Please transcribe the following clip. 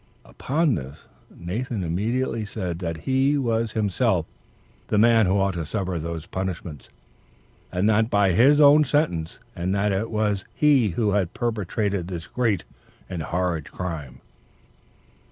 Upon this Nathan immediately said that he was himself the man who ought to suffer those punishments, and that by his own sentence; and that it was he who had perpetrated this 'great and horrid crime.'